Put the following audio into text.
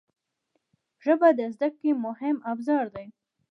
ژبه د زده کړې مهم ابزار دی